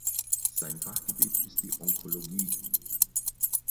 Sein Fachgebiet ist die Onkologie.